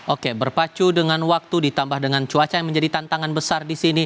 oke berpacu dengan waktu ditambah dengan cuaca yang menjadi tantangan besar di sini